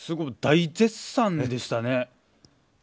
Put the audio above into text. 大絶賛でしたね。